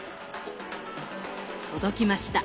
届きました！